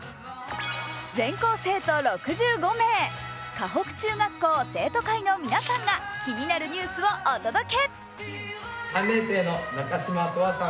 鹿北中学校生徒会の皆さんが気になるニュースをお届け！